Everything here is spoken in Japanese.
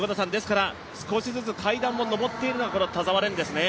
少しずつ階段を上っているのが田澤廉ですね。